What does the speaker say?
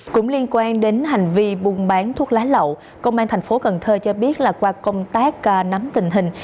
cũng liên quan đến hành vi buôn bán thuốc lá lậu công an thành phố cần thơ cho biết là qua công tác nắm tình hình